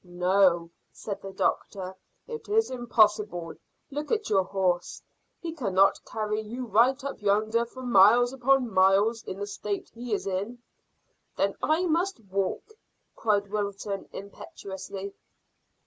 "No," said the doctor, "it is impossible. Look at your horse: he cannot carry you right up yonder for miles upon miles in the state he is in." "Then I must walk," cried Wilton impetuously.